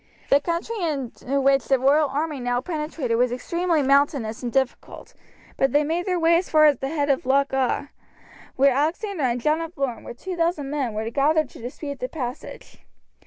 The country into which the royal army now penetrated was extremely mountainous and difficult, but they made their way as far as the head of Loch Awe, where Alexander and John of Lorne, with 2000 men, were gathered to dispute the passage.